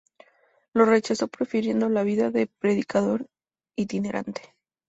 Lo rechazó, prefiriendo la vida de predicador itinerante.